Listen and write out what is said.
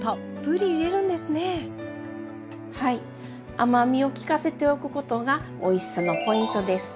甘みをきかせておくことがおいしさのポイントです。